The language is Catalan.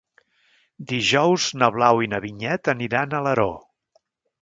Dijous na Blau i na Vinyet aniran a Alaró.